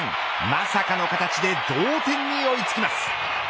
まさかの形で同点に追いつきます。